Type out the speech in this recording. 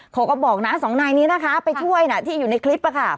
เขาก็บอกนะสองนายนี้นะคะไปช่วยนะที่อยู่ในคลิป